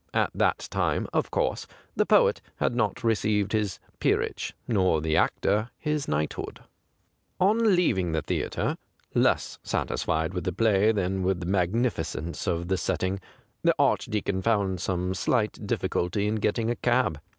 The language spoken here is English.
At that time, of course, the poet had not received his peerage, nor the actor his knighthood. On leaving the theatre, less satis fied with the play than with the magnificence of the setting, the Archdeacon found some slight dif ficulty in getting a cab.